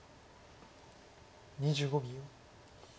２５秒。